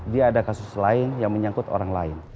dia ada kasus lain yang menyangkut orang lain